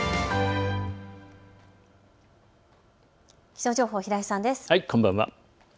気象情報、平井さんです。